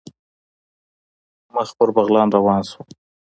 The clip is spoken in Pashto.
مخ پر بغلان روان شولو.